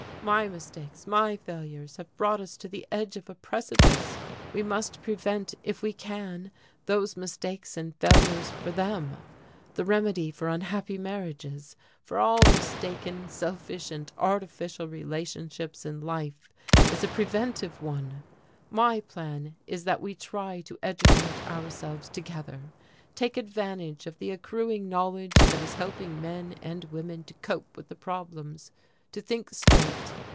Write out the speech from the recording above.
My mistakes, my failures, have brought us to the edge of a precipice. We must prevent, if we can, those mistakes and failures for them. The remedy for unhappy marriages, for all mistaken, selfish and artificial relationships in life is a preventive one. My plan is that we try to educate ourselves together, take advantage of the accruing knowledge that is helping men and women to cope with the problems, to think straight.